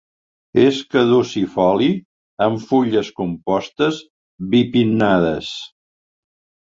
És caducifoli amb fulles compostes bipinnades.